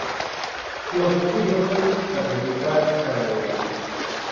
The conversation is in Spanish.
Los bovinos son la principal ganadería.